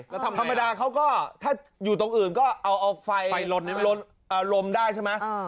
ธรรมดาเขาก็ถ้าอยู่ตรงอื่นก็เอาไฟไปลดลมได้ใช่ไหม